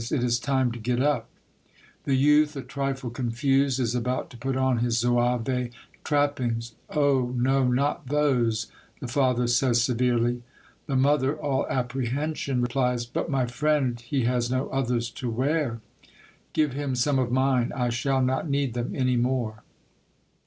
It is time to get up !" The youth, a trifle confused, is about to put on his Zouave trappings. " Oh, no, not those !" the father says severely. The mother, all apprehension, replies, *' But, my friend, he has no others to wear." *' Give him some of mine. I shall not need them any more."